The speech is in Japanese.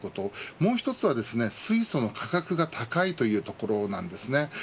もう１つは水素の価格が高いというところです。